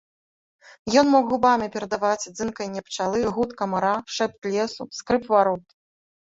Ён мог губамі перадаваць дзынканне пчалы, гуд камара, шэпт лесу, скрып варот.